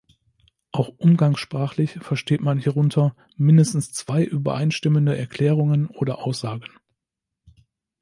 Auch umgangssprachlich versteht man hierunter mindestens zwei übereinstimmende Erklärungen oder Aussagen.